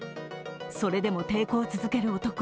それでも抵抗を続ける男。